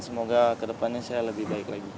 semoga ke depannya saya lebih baik lagi